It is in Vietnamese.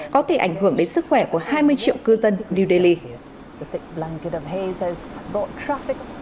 có thể ảnh hưởng đến sức khỏe của hai mươi triệu cư dân new delhi